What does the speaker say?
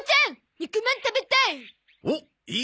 肉まん食べたい！